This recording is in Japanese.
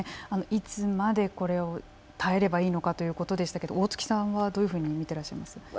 いつまでこれを耐えればいいのかということでしたけど大槻さんはどういうふうに見てらっしゃいます？